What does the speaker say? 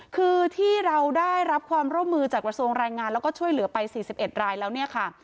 คือที่เราได้รับความร่วมมือจากกระทรวงแรงงานแล้วก็ช่วยเหลือไป๔๑รายแล้วเนี่ยค่ะ